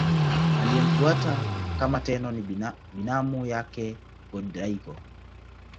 Aliyemfuata kama Tenno ni binamu yake Go-Daigo.